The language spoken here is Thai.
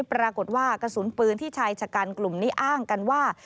ปรากฏว่ากระสุนปืนที่ชายชะกันกลุ่มนี้อ้างกันว่า